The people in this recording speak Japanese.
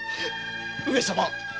上様！